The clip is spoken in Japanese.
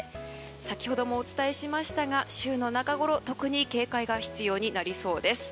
先ほどもお伝えしましたが週の中ごろ特に警戒が必要になりそうです。